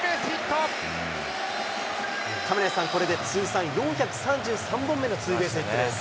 亀梨さん、これで通算４３３本目のツーベースです。